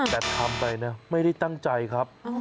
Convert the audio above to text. แต่ทำอะไรเนี่ยไม่ได้ตั้งใจครับ